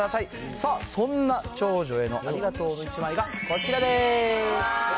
さあ、そんな長女へのありがとうの１枚が、こちらです。